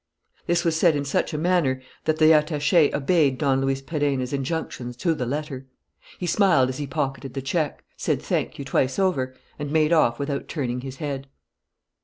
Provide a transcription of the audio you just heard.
This was said in such a manner that the attaché obeyed Don Luis Perenna's injunctions to the letter. He smiled as he pocketed the check, said thank you twice over, and made off without turning his head.